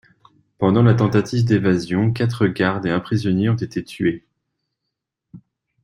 Pendant la tentative d'évasion quatre gardes et un prisonnier ont été tués.